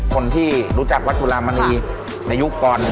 คนที่รู้จักวัดจุลามณีในยุคก่อน